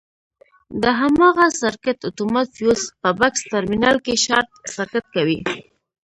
د هماغه سرکټ اتومات فیوز په بکس ټرمینل کې شارټ سرکټ کوي.